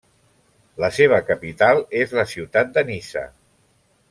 La seva capital és la ciutat de Niça.